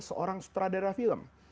seorang sutradara film